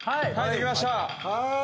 できました。